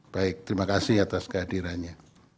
baik terima kasih atas kehadirannya